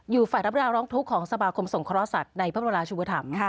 อยู่ฝ่ายรักษณะร้องทุกข์ของสมาคมสงครสัตว์ในภาพร้อมราชุมฐรรม